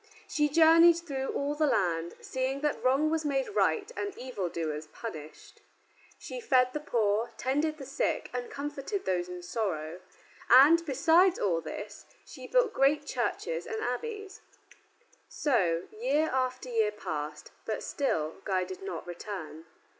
She journeyed through all the land, seeing that wrong was made right and evildoers punished. She fed the poor, tended the sick, and comforted those in sorrow, and, besides all this, she built great churches and abbeys. So year after year passed, but still Guy did not return.